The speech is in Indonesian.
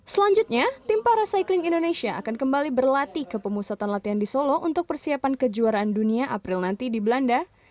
selanjutnya tim para cycling indonesia akan kembali berlatih ke pemusatan latihan di solo untuk persiapan kejuaraan dunia april nanti di belanda